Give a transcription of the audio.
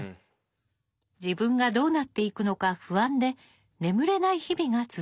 自分がどうなっていくのか不安で眠れない日々が続きました。